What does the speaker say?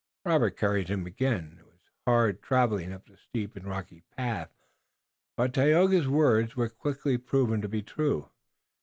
Robert carried him again, and it was hard traveling up the steep and rocky path, but Tayoga's words were quickly proved to be true.